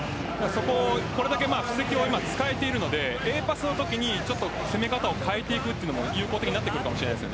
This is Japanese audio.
これだけ布石を今、使えているのでＡパスのときに、攻め方を変えていくのも有効的になってくるかもしれません。